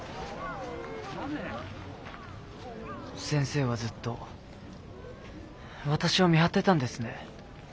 先生はずっと私を見張ってたんですね。